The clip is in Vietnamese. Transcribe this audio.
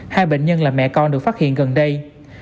hai bệnh nhân là mẹ con được phát hiện gần đây